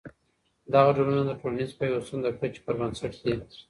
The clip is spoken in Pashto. دغه ډولونه د ټولنيز پيوستون د کچي پر بنسټ دي.